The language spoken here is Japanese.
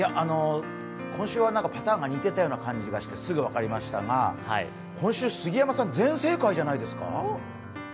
今週はパターンが似ていたような感じがして、すぐ分かりましたが、今週、杉山さん、全正解じゃないですか？